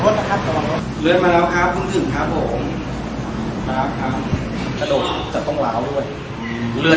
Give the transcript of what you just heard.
รสมาแล้วครับส่วนเสียงครับผมครับครับ